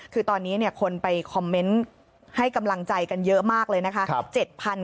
คือตอนนี้คนไปคอมเมนต์ให้กำลังใจกันเยอะมากเลยนะคะ